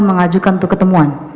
mengajukan untuk ketumbuhan